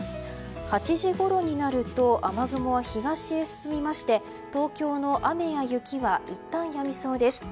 ８時ごろになると雨雲は東へ進みまして東京の雨や雪はいったんやみそうです。